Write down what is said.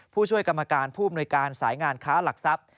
ผู้ช่วยกรรมการผู้อำนวยการสายงานค้าหลักทรัพย์